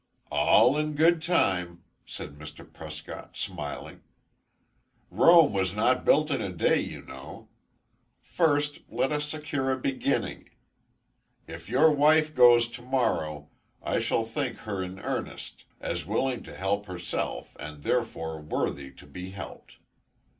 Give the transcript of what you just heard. "All in good time," said Mr. Prescott smiling. "Rome was not built in a day, you know. First let us secure a beginning. If your wife goes to morrow, I shall think her in earnest; as willing to help herself, and, therefore, worthy to be helped.